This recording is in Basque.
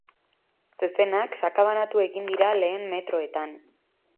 Zezenak sakabanatu egin dira lehen metroetan.